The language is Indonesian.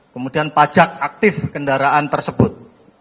kemudian pajak aktif kendaraan tersebut